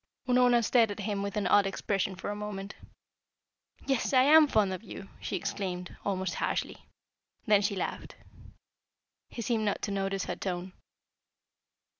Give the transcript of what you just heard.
Unorna stared at him with an odd expression for a moment. "Yes I am fond of you!" she exclaimed, almost harshly. Then she laughed. He seemed not to notice her tone.